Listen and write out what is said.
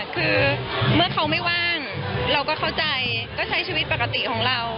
คือเมื่อเขาไม่ว่างเราก็เข้าใจก็ใช้ชีวิตปกติของเรา